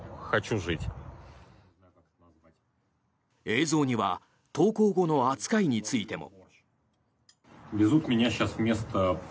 映像には投降後の扱いについても。